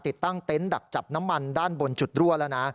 ติดตั้งเต็นต์ดักจับน้ำมันด้านบนจุดรั่วแล้วนะ